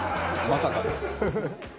まさかの。